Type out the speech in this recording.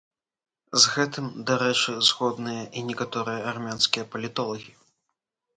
З гэтым, дарэчы, згодныя і некаторыя армянскія палітолагі.